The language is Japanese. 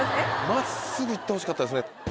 真っすぐ行ってほしかったですね。